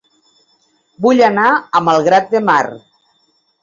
Vull anar a Malgrat de Mar